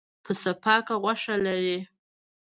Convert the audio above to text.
پسه پاکه غوښه لري.